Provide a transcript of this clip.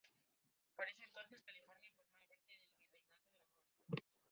Por ese entonces California formaba parte del Virreinato de la Nueva España.